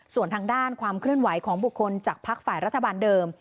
ส่วนทางด้านความเคลื่อนไหวของบุคคลจากพักฝ่ายรัฐบาลเดิม